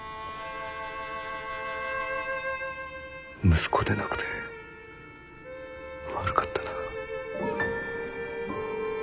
息子でなくて悪かったな。